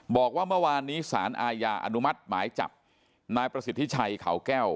บอกว่าเมื่อวานนี้สารอาญาอนุมัติหมายจับนายประสิทธิชัยเขาแก้ว